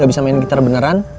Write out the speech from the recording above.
gak bisa main gitar beneran